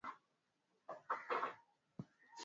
ya madawa haya matokeo ya kwanza kwa mtumiaji ni